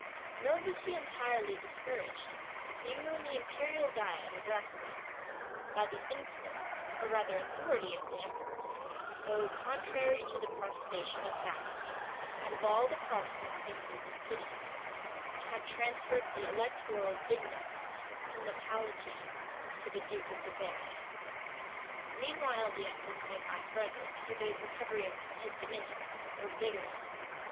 Nor was he entirely discouraged, even when the imperial diet at Ratisbon, by the influence, or rather authority of the emperor, though contrary to the protestation of Saxony, and of all the Protestant princes and cities, had transferred the electoral dignity from the palatine to the duke of Bavaria. Meanwhile the efforts made by Frederic for the recovery of his dominions, were vigorous.